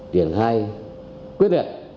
điển hai quyết định